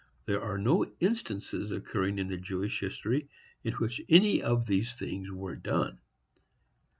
There are no instances occurring in the Jewish history in which any of these things were done.